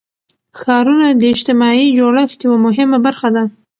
ښارونه د اجتماعي جوړښت یوه مهمه برخه ده.